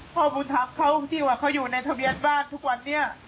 พ่อบุญธรรมเขาที่ว่าเขาอยู่ในทะเบียนบ้านทุกวันนี้